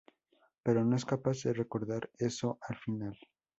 Pero no es capaz de recordar eso al final.